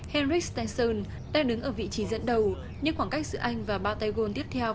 henry stenson đang đứng ở vị trí dẫn đầu nhưng khoảng cách giữa anh và ba tay gôn tiếp theo